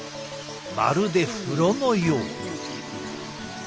まるで風呂のよう。